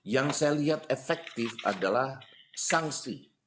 yang saya lihat efektif adalah sanksi